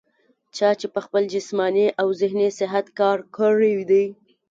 چا چې پۀ خپل جسماني او ذهني صحت کار کړے دے